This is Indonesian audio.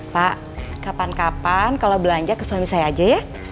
pak kapan kapan kalau belanja ke suami saya aja ya